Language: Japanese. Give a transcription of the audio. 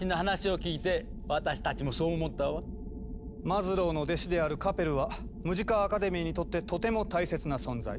マズローの弟子であるカペルはムジカ・アカデミーにとってとても大切な存在。